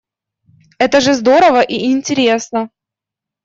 Это же здорово и интересно.